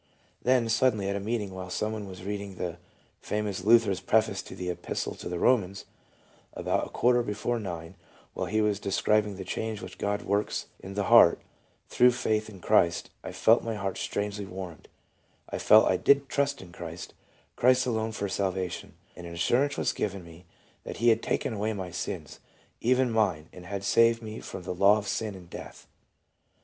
Then, suddenly, at a meeting, while some one was reading the famous Luther's preface to the Epistle to the Bomans, " about a quarter before nine, while he was describing the change which God works in the heart, through faith in Christ, I felt my heart strangely warmed, I felt I did trust in Christ, Christ alone for Salvation ; and an assurance was given me that He had taken away my sins, even mine, and had saved me from the law of sin and death."